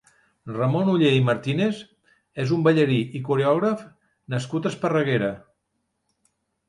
Ramon Oller i Martínez és un ballarí i coreògraf nascut a Esparreguera.